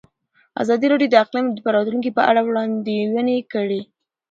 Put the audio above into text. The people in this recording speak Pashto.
ازادي راډیو د اقلیم د راتلونکې په اړه وړاندوینې کړې.